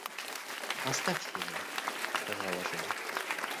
– Оставьте ее, – сказала Женя.